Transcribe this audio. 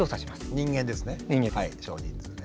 人間ですね？